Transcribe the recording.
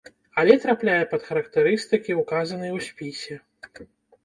Але трапляе пад характарыстыкі, указаныя ў спісе.